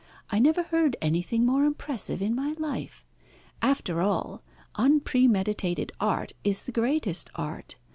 I never heard anything more impressive in my life. After all, unpremeditated art is the greatest art.